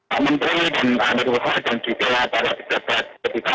pak menteri dan pak amun berhutang dan berbicara pada bidratat